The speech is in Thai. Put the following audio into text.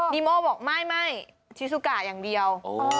นิโมบอกไม่ชิซูกะอย่างเดียว